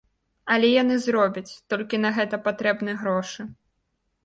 Але яны зробяць, толькі на гэта патрэбны грошы.